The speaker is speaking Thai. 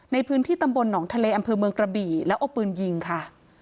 ในพื้นที่ตำบลหนองทะเลอำเภอเมืองกระบี่แล้วเอาปืนยิงค่ะ